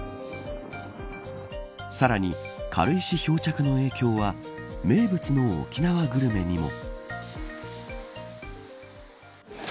さらに軽石漂着の影響は名物の沖縄グルメにも。